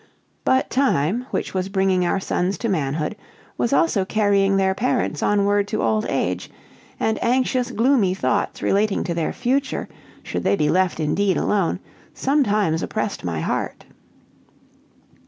But time, which was bringing our sons to manhood, was also carrying their parents onward to old age; and anxious, gloomy thoughts relating to their future, should they be left indeed alone, sometimes oppressed my heart.